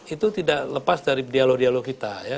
itu tidak lepas dari dialog dialog kita